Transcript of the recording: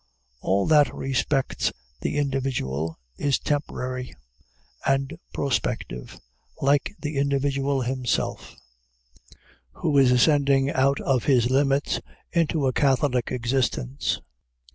All that respects the individual is temporary and prospective, like the individual himself, who is ascending out of his limits into a catholic existence.